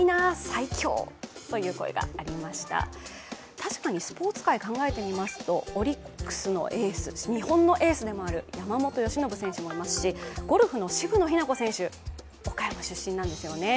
確かにスポーツ界、考えてみますと、オリックスのエース、日本のエースでもある山本由伸選手もいますし、ゴルフの渋野日向子選手、岡山出身なんですよね。